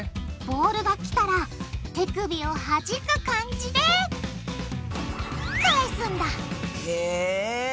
ボールが来たら手首をはじく感じで返すんだへぇ。